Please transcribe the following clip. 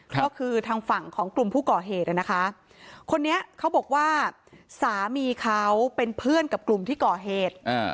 ก็คือทางฝั่งของกลุ่มผู้ก่อเหตุนะคะคนนี้เขาบอกว่าสามีเขาเป็นเพื่อนกับกลุ่มที่ก่อเหตุ